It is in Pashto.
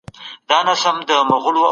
چېرته بايد نوي ښوونځي جوړ سي؟